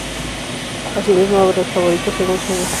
Asimismo, abre los favoritos, según sea necesario.